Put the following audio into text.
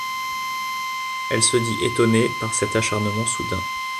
Elle se dit étonnée par cet acharnement soudain.